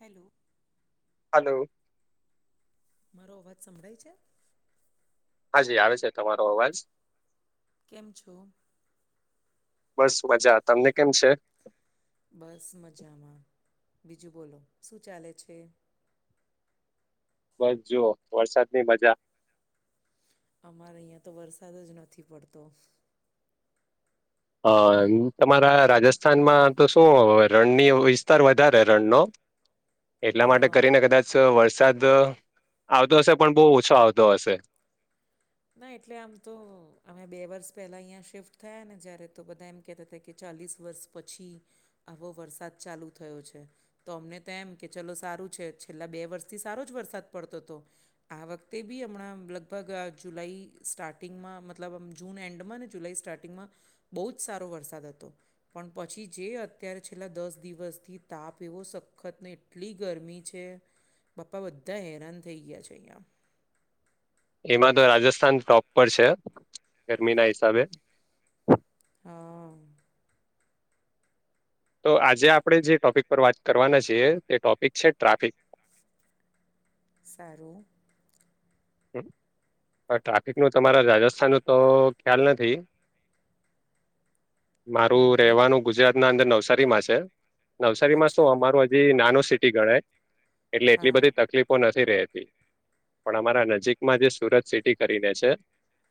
Hello hello મારો અવાજ સંભળાય છે? હા જી આવે છે તમારો અવાજ. કેમ છો? બસ મજા તમને કેમ છે? બસ મજામાં બીજું બોલો શું ચાલે છે? બસ જુઓ વરસાદ ની મજા. અમારે અહીં તો વરસાદ જ નથી પડતો. હ તમારા રાજસ્થાનમાં તો શું રણની વિસ્તાર વધારે રણનો. [inaudible] એટલા માટે કરીને હા કદાચ વરસાદ આવતો હશે પણ બહુ ઓછો આવતો હશે. ના એટલે આમ તો. અમે બે વર્ષ પહેલાં અહીંયા શિફ્ટ થયા ને જ્યારે તો બધા એમ કહેતા હતા કે ચાલીસ વર્ષ પછી આવો વરસાદ ચાલુ થયો છે. તો અમને તો એમ કે ચલો સારું છે છેલ્લા બે વર્ષથી સારો જ વરસાદ પડતો હતો. આ વખતે બી હમણાં લગભગ આ જુલાઈ સ્ટાર્ટિંગમાં મતલબમ જૂન એન્ડમાં ને જુલાઈ સ્ટાર્ટિંગમાં બહુ જ સારો વરસાદ હતો. પણ પછી જે અત્યારે છેલ્લા દસ દિવસથી તાપ એવો સખત ને એટલી ગરમી છે પપ્પા બધા હેરાન થઈ ગયા છે અહીંયા. એમાં તો રાજસ્થાન ટોપ પર છે ગરમી ના હિસાબે. હા. તો આજે આપણે જે ટોપિક પર વાત કરવાના છીએ તે ટોપિક છે ટ્રાફિક. સારું. હ પણ ટ્રાફિક નું તમારા રાજસ્થાન ન તો ખ્યાલ નથી. [inaudible] માર હમ હમ રવાનું ગુજરાત ના અંદર નવસારી માં છે, નવસારી માં તો અચ્છા અમારું નાનું સિટી ગણાય એટલે એટલી હા બધી તકલીફો નથી રતી પણ અમારા ન જીકમાં જે સુરત સિટી કરીને છે.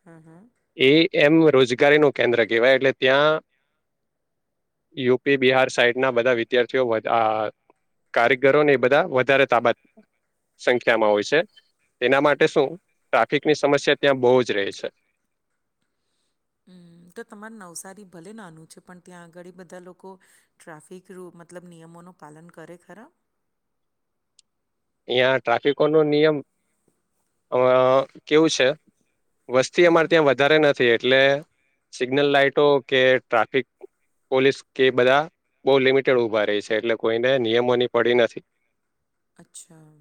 હા, હા. એ એમ રોજગારી નું કેન્દ્ર કહેવાય એટલે ત્યાં યુપી બિહાર સાઈડના બધા વિદ્યાર્થીઓ વઘ આ કારીગરો ને એ બધા વધારે તાબાત સંખ્યામાં હોય છે, એના મા ટે શું ટ્રાફિકની સમસ્યા ત્યાં બો જ રહે છે. હમ તો તમારે નવસારી ભલે નાનું છે, પણ ત્યાં આગળ બધા લોકો ટ્રાફિક રૂ મતલબ નિયમોનું પાલન કરે ખરા? અયા ટ્રાફિકોનો નિયમ અ કેવું છે? વસ્તી અમારે હમ ત્યાં વધારે નથી એટલે સિગ્નલ લાાઈટો કે ટ્રાફિક પોલીસ કે બધા બો લિમિટેડ ઉભા રહી છે, એટલે કોઈને નિયમોની પડી નથી અચ્છા.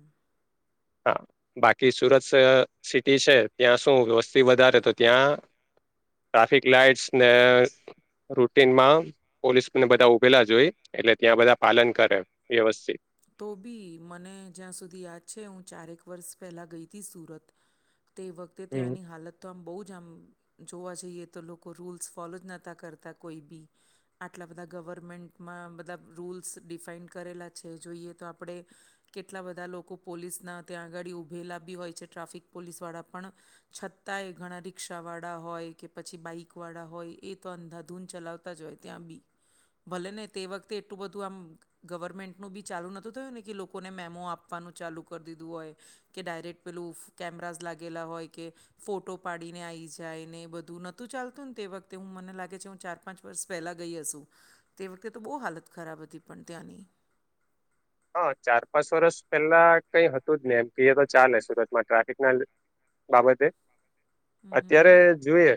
હા બાકી સુરત સ સિટી છે, ત્યાં શું વસ્તી વધારે તો ત્યાં ટ્રાફિક લાાઈટ્સ ને રૂટીનમાં પોલીસને બધા ઉભેલા જ હોય એટલે ત્યાં બધા પાલન કરે વ્યવસ્થિત તો બી મને જ્યાં સુધી યાદ છે, હું ચારેક વર્ષ પહેલા ગઈ હતી સુરત તે વખતે હમ ત્યાંની હાલત તો આમ બો જ આમ જોવા જઈએ તો લોકો રૂલ્સ ફોલો જ નહોતા કરતા કોઈ બી આટલા બધા ગવર્મેન્ટમાં બધા રૂલ્સ ડિફાઈન કરેલા છે, જોઈએ તો આપણે કેટલા બધા લોકો પોલીસના ત્યાં આગાડી ઊભેલા બી હોય છે, ટ્રાફિક પોલીસવાળા પણ છતાંય ઘણા રિક્ષાવાળા હોય કે પછી બાઈક વાળા હોય એ તો અંધાધૂંધ ચલાવ તા જ હોય ત્યાં બી ભલે ને તે વખતે એટલું બધું આમ ગવર્મેન નું બી ચાલુ નતું થયું ને કે લોકોને મેમો આપવાનું ચાલુ કરી દીધું હોય કે ડાયરેક્ટ પેલું કેમરાસ લાગેલા હોય કે ફોટો પાડીને આઈ જાયને એ બધું નતું ચાલતું ને તે વખતે હું મને લાગે છે, હું ચાર પાંચ વર્ષ પહેલાં ગઈ હશું તે વખતે તો બો હાલત ખરાબ હતી પણ ત્યાંની હા ચાર પાંચ વર્ષ પેલા કઈ હતું જ ને એમ તો ચાલે સુરતમાં ટ્રાફિકના બાબતે હમ હમ અત્યારે હમ. જોઈએ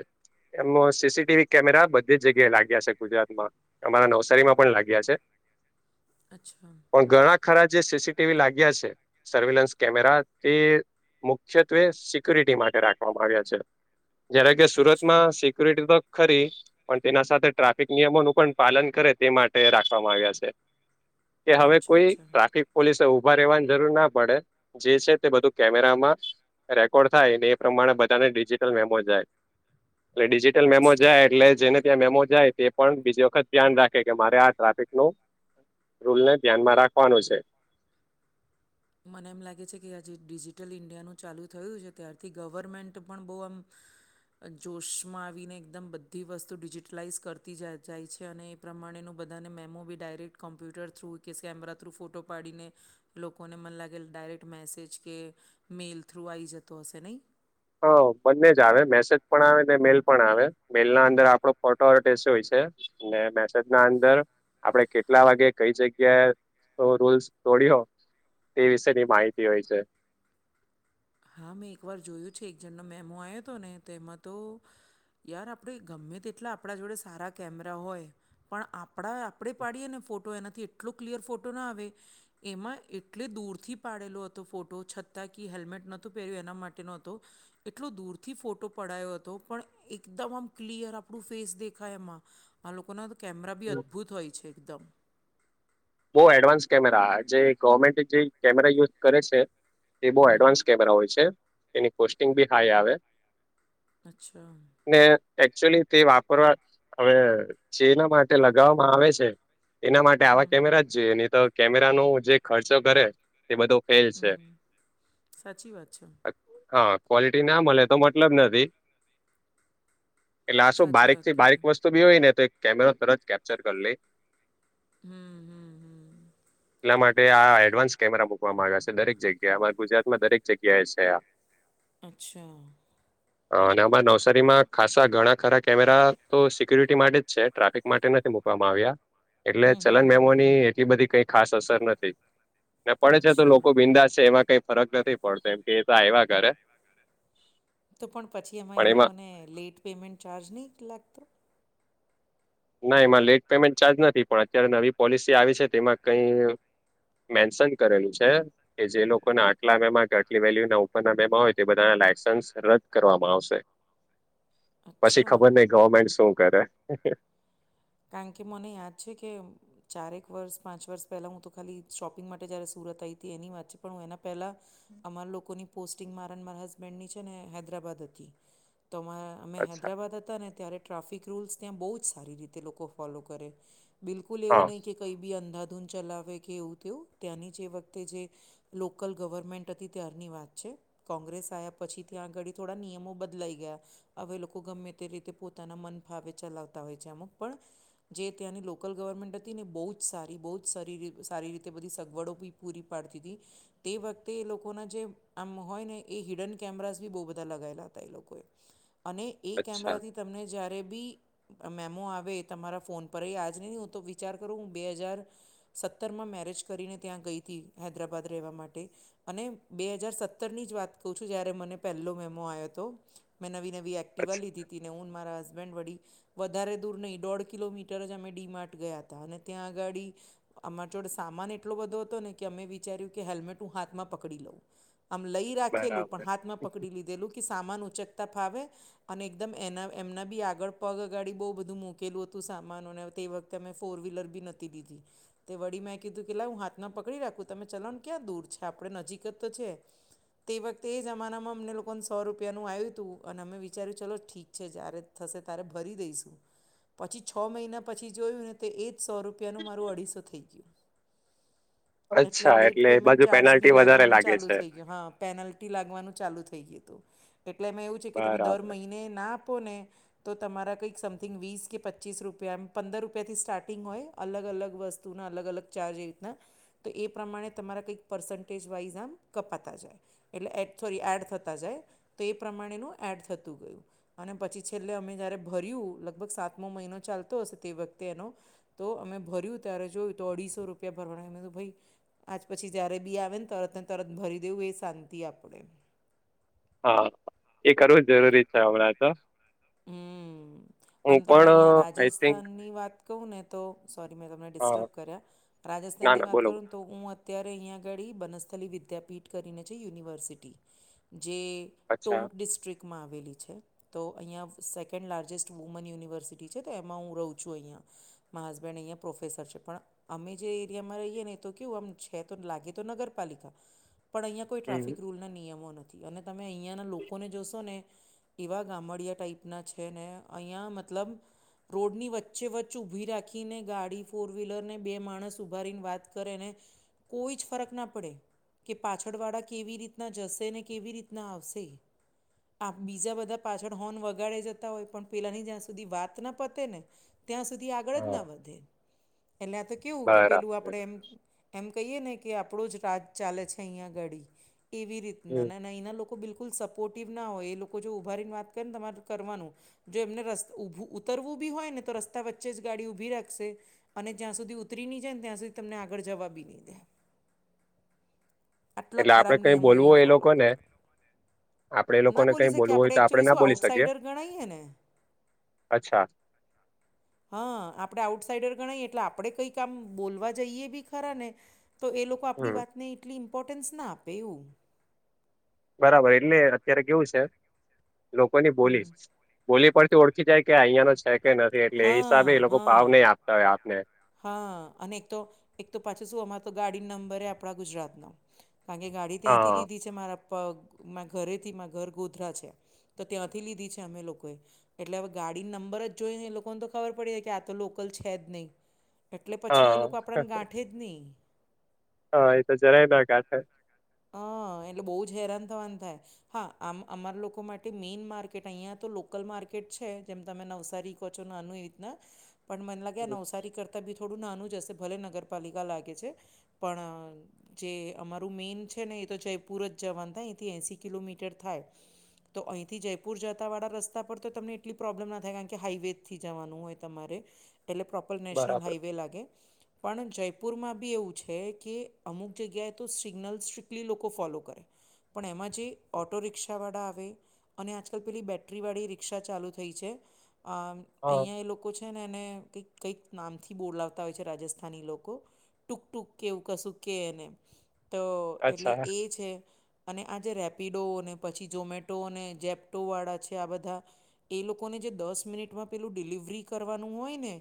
એમનો સીસીટીવી કેમેરા બધી જ જગ્યાએ લાગ્યા છે, ગુજરાતમાં અમારા નવસારીમાં પણ લાગ્યા છે. અચ્છા. પણ ઘણા ખરા જે સીસીટીવી લાગ્યા છે, સર્વેલન્સ કેમેરા તે મુખ્યત્વે સિક્યુરિટી માટે રાખવામાં આવ્યા છે, જ્યારે કે અચ્છા સુરતમાં સી ક્યુરિટી તો ખરી પણ તેના સાથે ટ્રાફિક નિયમોનું પણ પાલન કરે તે માટે રાખવામાં આવ્યા છે. કે હવે અચ્છા કોઈ અચ્છા ટ્રાફિક પોલીસે ઉભા રહેવાની જરૂર ના પડે જે છે, તે બધું કેમેરામાં રેકોર્ડ થાય એ પ્રમાણે બધાને ડિજિટલ મેમો જાય એટલે ડિજિટલ મેમો જાય એટલે જેને ત્યાં મેમો જાય તે પણ બીજી વખત ધ્યાન રાખે કે મારે આ ટ્રાફિકનું રૂલ ને ધ્યાનમાં રાખવાનું છે. મને એમ લાગે છે, કે આજે ડિજિટલ ઈન્ડિયાનું ચાલુ થયું છે, ત્યારથી ગવર્મેન્ટ પણ બો આમ જોશમાં આવીને એકદમ બધી વસ્તુ ડિજિટલાઈઝ કરતી જા જાય છે, અને પ્રમાણેનું બધાને મેમો બી ડાયરેક્ટ કોમ્પ્યુટર થ્રુ કે કેમેરા થ્રુ ફોટો પાડીને લો કોને મને લાગેલ ડાયરેક્ટ મેસેજ કે મેઇલ થ્રુ આવી જતો હશે નહીં હ બંને જ આવે મેસેજ પણ આવે ને મેલ પણ આવે મેલ ના અંદર આપડો ફોટો [unintelligible] હોય છે. ને મેસેજના અંદર આપડે કેટલા વાગે કઈ જગ્યાએ તો રૂલ્સ તોડ્યો તે વિશેની માહિતી હોય છે. હા મેં એકવાર જોયું છે, એક જણનો મેમો આવ્યો હતો ને તેમાં તો યાર આપણે ગમે તેટલા આપણા જોડે સારા કેમેરા હોય પણ આપણા આપણે પાડીએ ને ફોટો એનાથી એટલો ક્લિયર ફોટો ના આવે એમાં એટલે દૂરથી પાડેલો હતો ફોટો છતાં કે હેલ્મેટ ન તુ પેરયુ એના માટેનો હતો. એટલો દૂરથી ફોટો પડાયો હતો પણ એકદમ આમ ક્લિયર આપણું ફેસ દેખાય એમાં. આ લોકોના કેમેરા બી અદ્ભુત હોય છે, એકદમ બો એડવાન્સ કેમેરા જે ગવર્મેન્ટ જે કેમેરા યુઝ કરે છે. એ બો હમ એડવાન્સ કેમેરા હોય છે, એની કોસ્ટિંગ બી હાઈ આવે અચ્છા. ને એકચુલી તે વાપરવા હવે જેના માટે લગાવવામાં આવે છે. એના માટે આવા હમ કેમેરા જ જોઈએ ની તો કેમેરાનો જે ખર્ચો કરે તે બધો ફેલ છે હમ સાચી વાત છે હ ક્વોલિટી ના મલે તો મતલબ નથી એટલે આ શું સાચી બારીક વાત થી બારીક કીધી વસ્તુ બી હોય ને તો એક કેમેરા તરત કેપ્ચર કર લે. હમ્મ હમ્મ હમ્મ. એટલા માટે આ એડવાન્સ કેમેરા મૂકવાવામાં આવ્યા છે દરેક જગ્યાએ અમાર ગુજરાત માં દરેક જગ્યાએ છે આ અચ્છા હ અને અમારા નવસારીમાં ખાસા ઘણા ખરા કેમેરા તો સિક્યુરિટી માટે જ છે. ટ્રાફિક માટે નથી મુકવામાં આવ્યા એટલે હમ ચલન હમ હમ મેમો હમ હમ એટલી બધી કઈ ખાસ અસર નથી ને પડે છે તો અચ્છા લોકો બિંદદાસ છે એમાં કઈ ફરક નથી પડતો એમ કે એ તો આયવા તો પણ પછી એમાં એ લોકોને લેટ પેમેન્ટ ચાર્જ નહી લાગતો. ના એમાં લેટ પેમેન્ટ ચાર્જ નથી પણ અત્યારે નવી પોલિસી આવી છે તે એમાં કઈ. મેન્શન કરેલું છે. કે જે લોકોને આટલા મેમાં કે આટલી વેલ્યુ ના ઉપરના બેમાં હોય તે બધાના લાયસન્સ રદ કરવામાં આવશે. પછી અચ્છા ખબર નહ ગવર્મેન્ટ શું કરે. કારણ કે મને યાદ છે કે. ચારેક વર્ષ પાંચ વર્ષ પહેલાં હું તો ખાલી શોપિંગ માટે જ્યારે સુરત આયી તી એની વાત છે પણ હું એના પહેલાં. અમારા લોકોની પોસ્ટિંગ મારા ન માર હસબેન્ડની છે ને હૈદરાબાદ હતી તો માં અમે અચ્છા હૈદરાબાદ હતા ને ત્યારે ટ્રાફિક રૂલ્સ ત્યાં બહુ જ સારી રીતે લોકો ફોલો કરે. બિલકુલ એવું હા નહીં કે કઈ બી અંધાધૂંધ ચલાવે કે એવું તેવું ત્યાંની જે વખતે જે. લોકલ ગવર્મેન્ટ હતી ત્યારની વાત છે. કોંગ્રેસ આયા પછી ત્યાં અગાડી થોડા નિયમો બદલાઈ ગયા. હવે લોકો ગમે તે રીતે પોતાના મન ફાવે ચલાવતા હોય છે અમુક પણ. જે ત્યાંની લોકલ ગવર્મેન્ટ હતી ને બહુ જ સારી બહુ જ સારી સારી રીતે બધી સગવડો બી. પૂરી પાડતી હતી. તે વખતે એ લોકોના જે આમ હોય ને એ હિડન કેમેરાસ બી બહુ બધા લગાયેલા હતા એ લોકોએ. [inaudible] અને એ અચ્છા કેમેરાથી તમને જ્યારે બી મેમો આવ વે તમારા ફોન પર એ આજ નહીં હું તો વિચાર કરું હું બે હજાર. સત્તરમાં મેરેજ કરીને ત્યાં ગઈ તી હૈદરાબાદ રહેવા માટે. અને બે હજાર સત્તર ની જ વાત કવ છું જ્યારે મને પેલો મેમો આયો તો. મેં નવી નવી એક્ટિવા અચ્છા લીધી ત ને હું મારા હસબેન્ડ વળી વધારે દૂર નહી. દોઢ કિલોમીટર જ અમે ડીમાર્ટ ગયા હતા અને ત્યાં આગાડી. અમાર જોડે સામાન એટલો બધો હતો ને કે અમે વિચાર્યું કે હેલ્મેટ હું હાથમાં પકડી લઉં. આમ લઈ રાખેલું પણ બરાબર હાથમાં પકડી લીધેલું. કે સામાન ઉચકતા ફાવે અને એકદમ એના એમના બી આગળ પગ અગાડી બવ બધું મૂક કેલું હતું સામાનોને તે વખતે અમે ફોર વ્હીલર બી નતી લીધી. તે વડી મે એ કીધું કે લાવ હું હાથમાં પકડી રાખું તમે ચલાવ ન ક્યાં દૂર છે આપડે નજીક જ તો છે. તે વખતે એ જમાનામાં અમને લોકોને સો રૂપિયાનું આયુ તું અને અમે વિચાર્યું ચલો ઠીક. છે જ્યારે થશે ત્યારે ભરી દઈશું. પછી છ મહિના પછી જોયું ને તો એ જ સો રૂપિયાનું મારું અઢીસો થઈ ગયું. એટલે અચ્છા લેટ એ પેમેન્ટ બાજુ ચાર્જ બી પેનાલ્ટી વધારે લાગવાનો લાગે ચાલુ છે થઈ ગયો હા. પેનલ્ટી લાગવાનું ચાલુ થઈ ગયું તું એટલે એમાં એવું છે કે તમે દર બરાબર મહિને ના. પો ને તો તમારા કઈ સામઠિંગ વીસ કે. પચીસ રૂપિયા એમ પંદર રૂપિયાથી સ્ટાર્ટિંગ હોય અલગ અલગ વસ્તુના અલગ અલગ ચાર્જ એ રીતના. તો એ પ્રમાણે તમારા કંઈક પર્સન્ટેજ વાઇઝ આમ કપાતા જાય એટલે એડ સોરી એડ થતા જાય તો એ પ્રમાણેનું એડ થતું ગયું અને પછી છેલ્લે અમે જયારે ભર્યું લગભગ સાતમો મહિનો ચાલતો હશે તે વખતે એનો તો અમે ભર્યું ત્યારે જોય તો અઢીસો રૂપિયા ભરવાના મેમે તો ભાઈ. આજ પછી જ્યારે બી આવે ને તરત ને તરત ભરી દેવું એ શાંતિ આપણે. હા એ કરવું જ જરૂરી છે હમણાં તો હમ હું અને પણ તમને અહં આઈ થિંક રાજસ્થાનની વાત. ક ને તો સોરી મેં તમને હા ડિસ્ટર્બ કર્યા ના રાજસ્થાનની ના વાત બોલો બોલો. કરું. તો હું અત્યારે અહીંયા આગળ બનસ્થલી વિદ્યાપીઠ કરીને છે યુનિવર્સિટી. જે અચ્છા ટોક ડિસ્ટ્રિકમાં આવેલી છે તો અહીંયા. સેકન્ડ લાર્જસ્ટ વુમન યુનિવર્સિટી છે તો એમાં હું રહું છું અહીંયા મા હસબેન્ડ અહીંયા પ્રોફેસર છે પણ. અમે જે એરિયામાં રહીએ ને એ તો કેવું આમ છે તો લાગે તો નગરપાલિકા પણ અહીં. કોઈ હમ. ટ્રાફિક રૂલના નિયમો નથી અને તમે અહીંયાના લોકોને જોશો ને એવા ગામડિયા ટાઈપ. એના છે નને હીિયાયા મતલબ. રોડની વચ્ચે વચ્ચે ઊભી રાખીને ગાડી ફોર વ્હીલરને બે માણસ ઉઊભાારીને વાત કરે ને કોઈ જ ફરક ના પડે કે પાછળવાળા કેવી રીતના જશે ને કેવી રીતના આવશે આ બીજા બધા પાછળ હોર્ન વગ ગાડે જતા હોય પણ પેલાની જ્યાં સુધી વાત ના પતે ને ત્યાં સુધી આગળ જ ના હા વધે એટલે આ તો કેવું કે પેલું આપ બરાબર આપણે એમ એમ કહીએ ને કે આપણો જ રાજ ચાલે છે અહીંયા ઘડી એવી રીતે ના હમ. ના ના એના લોકો બિલકુલ સપોર્ટિવ ના હોય એ લોકો જો ઉઊભારી ને વાત કરીે ને તમાર કરવાનું જો એમને ર ઉભ ઉતરવું બી હોય ને તો રસ્તા વચ્ચે જ ગાડી ઉઊભી રાખશે અને જ્યાં સુધી ઉતરી ન જાય ને ત્યાં સુધી તમને આગળ જવા બી નહી દે આટલા એટલે આપડે ખરાબ કઈ નિયમો બોલવું અહીંયા હોય એ લોકો ફોલો ને કરે આપડે એ ના લોકોને બોલી કઈ શકીએ બોલવું હોય આપણે તો આપડણે એકચ્યુઅલી ના શું બોલી શકીએ આઉટસાઇડર ગણાઈએ ને અચ્છા [inaudible] હા આપણે આઉટ સાઇડર ગણાયએ એટલે આપણે કંઈ કામ બોલવા જઈએ બી ખરા ને તો એ લોકો આપણી હમ વાતને એટલી ઇમ્પોર્ટન્સ ના આપે એવું બરાબર એટલે અત્યારે કેવું છે લોકોની બોલી હમ બોલી પડથી ઓળખી જાય કે અહીિયાં નો છે કે નથી એટલે એ હિસાબે હા એ લોકો હા ભાવ નહી આપતા હોય આપને હા અને એક તો એક તો પાછું શું અમારે તો ગાડી નંબર આપણા ગુજરાતનો કારણ કે ગાડી ત્યાંથી હા લીધી છે મારા મા ઘરેથી મા ઘર ગોધરા છે તો ત્યાંથી લીધી છે અમે લોકોએ એટલે હવે ગાડી નંબર જ જોઈ ને એ લોકોને તો ખબર પડી જાય કે આ તો લોકલ છે જ નહીં એટલે પછી એ હા લોકો આપણને ગાંઠે જ નહીં હા એ તો જરાયબા કાઠ હ એટલે બહુ જ હેરાન થવાનું થાય હા આમ અમારા લોકો માટે મેઈન માર્કેટ અહીિયાંયા તો લોકલ માર્કેટ છે જેમ તમે નવસારી ોનું એ રીત પણ મને લાગે હમ, નવસારી કર બી થોડું નાનું જ હશે ભલે નગરપાલિકા લાગે છે પણ જે અમારું મેન છે છે ને એ તો જ પૂરત જવાનું થાય એથી એસી કિલોમીટર થાય તો અહીંથી જયપુર જતાંવાળા રસ્તા પર તો તમને એટલી પ્રોબ્લેમ ના થાય કારણ કે હાઈવેથી જવાનું હોય તમારે એટલે પ્રોપર નેશનલ બરાબર હાઈવે લાગે પણ જયપુરમાં બી એવું છે કે અમુક જગ્યાએ તો સિગ્નલ સ એટલી લોકો ફોલો કરે પણ એમાં જે ઓઑટો રિક્ષાવાળા આવે અને આજકાલ પેલી બેટરી વાળી રિક્ષા ચાલુ થઈ છે અમ હા અહિયાં એ લોકો છે. ને એને કક કઈક નામથી બોલાવતા હોય છે રાજસ્થાની લોકો. ટૂંક ટૂંક કે એવું કશું કે એને તો એટલે અચ્છા એ છે અને આ જેે રેપિડો, અને પછી ઝોમેટો, અને જેપ્ટોવાળા છે આ બધા એ લોકોને જે દસ મિનિટમાં પેલું ડિલિવરી કરવાનું હોય ને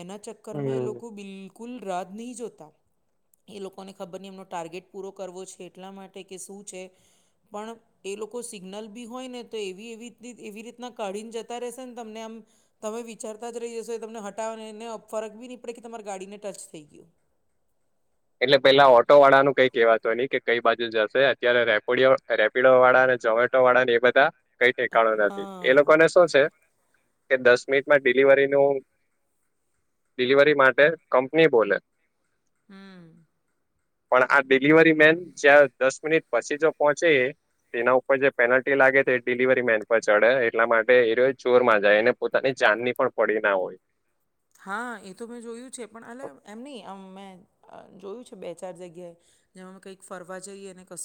એના ચક્કરમાં એ હમ લોકો બિલકુ કુલ રા નહી જોતા એ લોકોને ખબર ન એમનો ટાર્ગેટ પૂરો. કરવો છે એટલા માટે કે શું છે પણ. એ લોકો સિગ્નલ બી હોય ને તો એવી એવી એવી રીતના કાઢીને જતા રશે ને તમને આમ. તમે વિચારતા જ રહી જશો તમને હટાવો એને ફરક બી નહી પડે કે તમારા ગાડીને ટચ થઈ ગયો. એટલે પેલા ઓટો વાળા નું કઈ કહેવાત હો ન કે કઈ બાજુ જશે અત્યારે રેપોડયો. પીળો વાળા અને ઝમેટો વાળા ને એ બધા કઈ ઠેકાણો નથી એ લોકો હા ને શું છે. કે દસ મિનિટમાં ડિલિવરીનું ડિલિવરી માટે કંપની બોલે. [inaudible] પણ આ ડિલિવરી મેન જ્યાં દસ મિનિટ પછી જો પહોંચે. તેના ઉપર જે પેનલ્ટી લાગે તે ડિલિવરી મેન પર ચડે એટલા માટે એ ચોરમાં જાય એને. પોતાની જાનની પણ પડી ના હોય. હા એ તો મેં જોયું છે પણ અલા એમ નહીં મેં. અ જોયું છે બે ચાર જગ્યાએ જેમાં કઈક ફરવા જઈએ અને કશું.